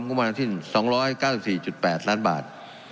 ร่วมมาถึง๒๙๔๘ล้านบาท